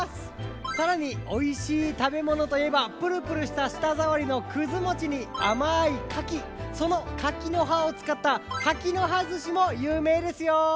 さらにおいしいたべものといえばプルプルしたしたざわりのくずもちにあまい柿その柿の葉をつかった柿の葉ずしもゆうめいですよ！